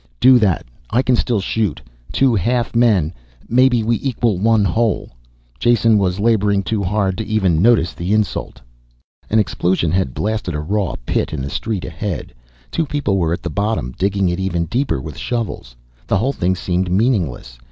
"Do that. I can still shoot. Two half men maybe we equal one whole." Jason was laboring too hard to even notice the insult. An explosion had blasted a raw pit in the street ahead. Two people were at the bottom, digging it even deeper with shovels. The whole thing seemed meaningless.